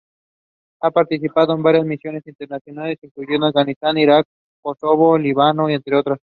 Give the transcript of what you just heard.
Ha participado en varias misiones internacionales, incluyendo Afganistán, Irak, Kosovo o Líbano entre otras.